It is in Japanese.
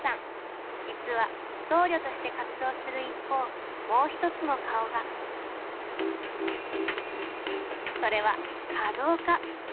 実は僧侶として活動する一方もう一つの顔がそれは華道家。